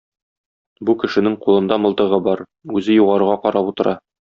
Бу кешенең кулында мылтыгы бар, үзе югарыга карап утыра.